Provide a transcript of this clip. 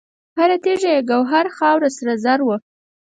هر تیږه یې ګوهر، خاوره سره زر وه